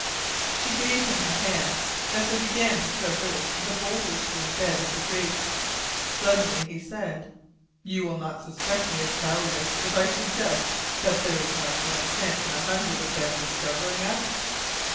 She gave him her hand as they began to traverse the boulder strewn bed of the creek. Suddenly he said: "You will not suspect me of cowardice if I suggest that there is not one chance in a hundred of them discovering us?"